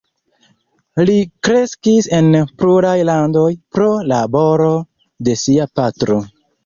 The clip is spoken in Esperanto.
Li kreskis en pluraj landoj, pro la laboro de sia patro.